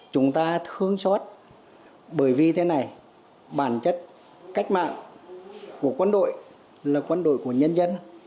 chúng ta thương xót bởi vì thế này bản chất cách mạng của quân đội là quân đội của nhân dân